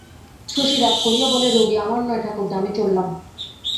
শশী রাগ করিয়া বলে, রোগী আমার নয় ঠাকুরদা, আমি চললাম।